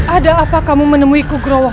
ada apa kamu menemui kugrawah